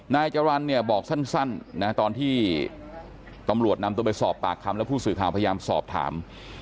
นายจรรย์เนี่ยบอกสั้นนะตอนที่ตำรวจนำตัวไปสอบปากคำแล้วผู้สื่อข่าวพยายามสอบถาม